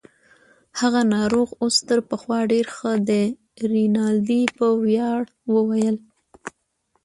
هغه ناروغ اوس تر پخوا ډیر ښه دی. رینالډي په ویاړ وویل.